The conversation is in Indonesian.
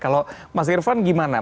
kalau mas irvan gimana